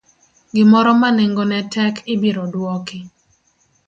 gimoro ma nengone tek ibiro duoki.